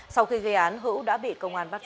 sau khi gây án hữu đã bị công an bắt giữ